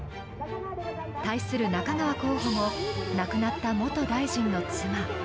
対する中川候補も、亡くなった元大臣の妻。